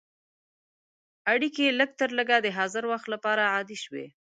اړیکې لږترلږه د حاضر وخت لپاره عادي شوې.